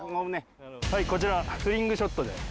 はいこちらスリングショットで。